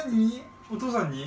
お父さんに？